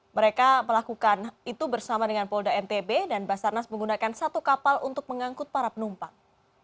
mereka melakukan itu bersama dengan polda ntb dan basarnas menggunakan satu kapal untuk mengangkut para penumpang